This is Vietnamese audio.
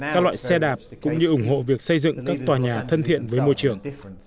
các loại xe đạp cũng như ủng hộ việc xây dựng các tòa nhà thân thiện với môi trường